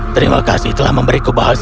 terima kasih telah memberiku bahas